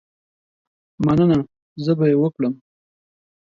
مننه، زه به یې وکړم.